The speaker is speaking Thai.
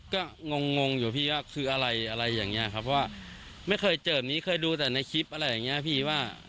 ก็งงงอยู่พี่ว่าคืออะไรอะไรอย่างเงี้ยครับเพราะว่าไม่เคยเจอแบบนี้เคยดูแต่ในคลิปอะไรอย่างเงี้ยพี่ว่า